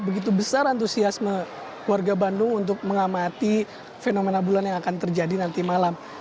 begitu besar antusiasme warga bandung untuk mengamati fenomena bulan yang akan terjadi nanti malam